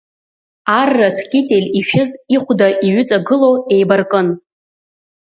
Арратә китель ишәыз ихәда иҩыҵагыло еибаркын…